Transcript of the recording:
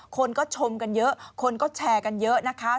คนก็ชมกันเยอะคนก็แชร์กันเยอะนะคะ